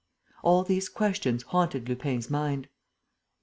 All these questions haunted Lupin's mind.